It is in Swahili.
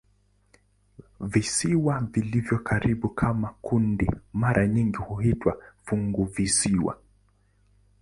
Visiwa vilivyo karibu kama kundi mara nyingi huitwa "funguvisiwa".